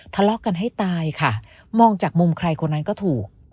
ทะเลาะกันให้ตายค่ะมองจากมุมใครคนนั้นก็ถูก